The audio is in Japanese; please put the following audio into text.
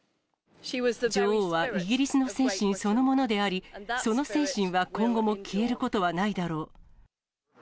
女王はイギリスの精神そのものであり、その精神は今後も消えることはないだろう。